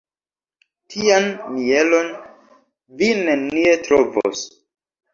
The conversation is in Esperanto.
Tian mielon vi nenie trovos.